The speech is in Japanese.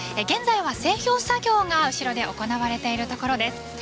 現在は整氷作業が行われているところです。